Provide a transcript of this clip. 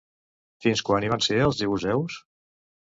Fins quan hi van ser els jebuseus?